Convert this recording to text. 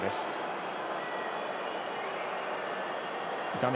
画面